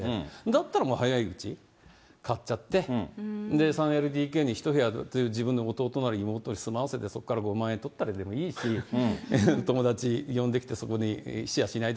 だったら早いうち買っちゃって、３ＬＤＫに自分の弟なり妹に住まわせてそこから５万円取ってもいいし、友達呼んできて、そこにシェアしない？